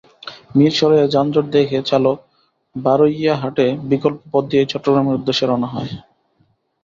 মিরসরাইয়ে যানজট দেখে চালক বারইয়াহাটে বিকল্প পথ দিয়ে চট্টগ্রামের উদ্দেশে রওনা হয়।